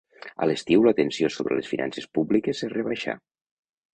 A l'estiu la tensió sobre les finances públiques es rebaixà.